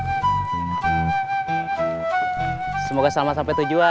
jelinin u ngunggeng arose perayaan sameer ar offensive